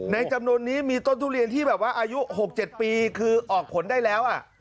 ในจำนวนนี้มีต้นทุเรียนอายุ๖๗ปีคือออกผลได้แล้ว